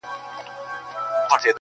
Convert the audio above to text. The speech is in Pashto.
جنابِ عشقه ما کفن له ځان سره راوړی،